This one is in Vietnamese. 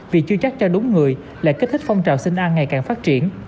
vì chưa chắc cho đúng người lại kích thích phong trào sinh ăn ngày càng phát triển